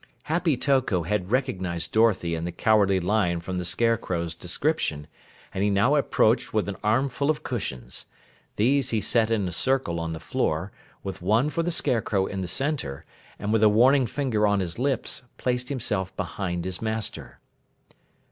Happy Toko had recognized Dorothy and the Cowardly Lion from the Scarecrow's description, and he now approached with an arm full of cushions. These he set in a circle on the floor, with one for the Scarecrow in the center, and with a warning finger on his lips placed himself behind his Master.